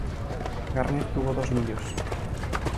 Garner tuvo dos niños.